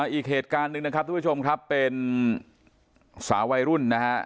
อีกเหตุการณ์หนึ่งนะครับทุกผู้ชมครับเป็นสาววัยรุ่นนะฮะ